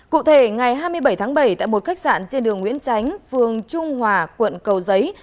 cụ thể ngày hai mươi bảy tháng bảy tại một khách sạn trên đường nguyễn tránh phường trung hòa quận cầu giấy